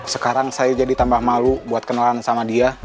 sekarang saya jadi tambah malu buat kenalan sama dia